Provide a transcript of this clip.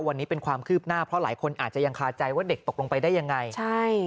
วันนี้เป็นความคืบหน้าเพราะหลายคนอาจจะยังคาใจว่าเด็กตกลงไปได้ยังไงใช่